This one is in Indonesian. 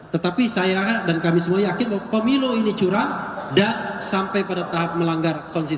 tetapi saya dan kami semua yakin bahwa pemilu ini curam dan sampai pada tahap melanggar konstitusi